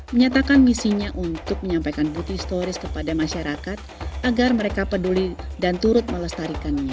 menyatakan misinya untuk menyampaikan bukti historis kepada masyarakat agar mereka peduli dan turut melestarikannya